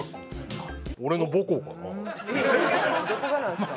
どこがなんですか。